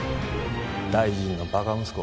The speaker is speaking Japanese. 大臣のばか息子